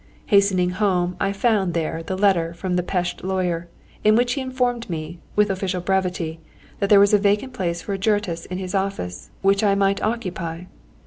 Hastening home, I found there the letter from the Pest lawyer, in which he informed me, with official brevity, that there was a vacant place for a juratus in his office, which I might occupy.